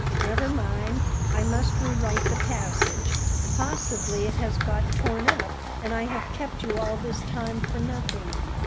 Never mind; I must rewrite the passage. Possibly it has got torn up, and I have kept you all this time for nothing."